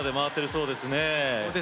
そうですね。